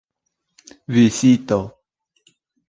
vizito